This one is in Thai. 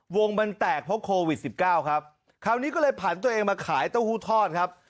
วงมันแตกเพราะโควิดสิบเก้าครับคราวนี้ก็เลยผันตัวเองมาขายเต้าหู้ทอดครับ